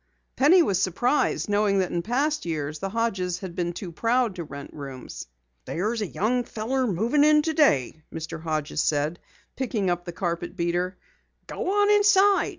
Penny was surprised, knowing that in past years the Hodges had been too proud to rent rooms. "There's a young feller moving in today," Mr. Hodges said, picking up the carpet beater. "Go on inside.